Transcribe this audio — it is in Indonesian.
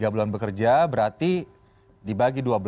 tiga bulan bekerja berarti dibagi dua belas